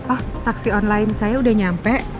ah taksi online saya udah nyampe